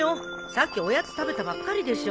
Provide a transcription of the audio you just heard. さっきおやつ食べたばっかりでしょ。